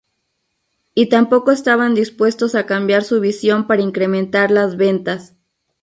Y tampoco estaban dispuestos a cambiar su visión para incrementar las ventas.